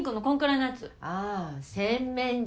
ああ洗面所。